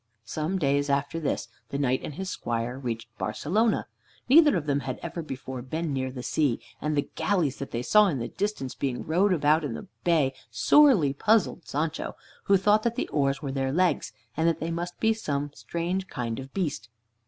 Some days after this, the Knight and his squire reached Barcelona. Neither of them had ever before been near the sea, and the galleys that they saw in the distance being rowed about in the bay sorely puzzled Sancho, who thought that the oars were their legs, and that they must be some strange kind of beast.